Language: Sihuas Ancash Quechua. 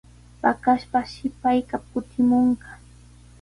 Paqaspashi payqa kutimunqa.